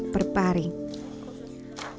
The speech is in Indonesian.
tidak ada yang kaya